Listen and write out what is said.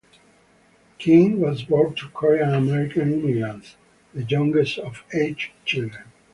Kim was born to Korean-American immigrants, the youngest of eight children.